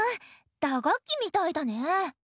打楽器みたいだね。